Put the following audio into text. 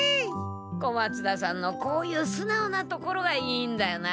小松田さんのこういうすなおなところがいいんだよな。